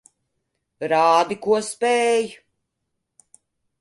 Rādi, ko spēj.